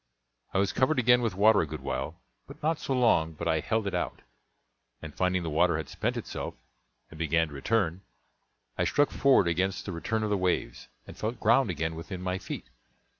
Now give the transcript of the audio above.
I was covered again with water a good while, but not so long but I held it out; and finding the water had spent itself, and began to return, I struck forward against the return of the waves, and felt ground again with my feet.